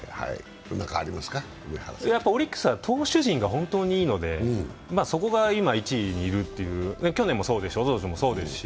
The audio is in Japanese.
オリックスは投手陣が本当にいいので、そこが今、１位にいるという、去年もおととしもそうですし。